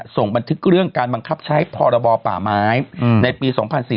ส่งบันทึกเรื่องการบังคับใช้พรบป่าไม้ในปี๒๔๔